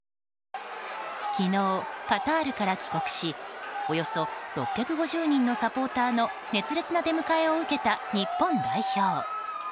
昨日、カタールから帰国しおよそ６５０人のサポーターの熱烈な出迎えを受けた日本代表。